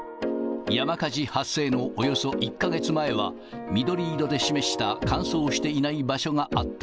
山火事発生のおよそ１か月前は、緑色で示した、乾燥していない場所があった。